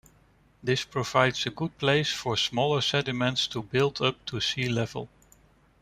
This provides a good place for smaller sediments to build up to sea level.